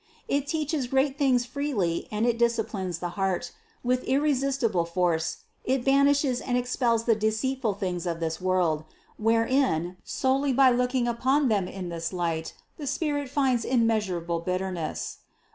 It teaches great things freely and it disciplines the heart ; with irresistible force it banishes and expels the deceitful things of this world, wherein, solely by looking upon them in this light, the spirit finds immeasurable bitterness.